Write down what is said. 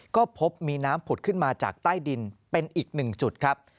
ก็พบมีน้ำผุดขึ้นมาจากใต้ดินเป็นอีกหนึ่งจุดครับ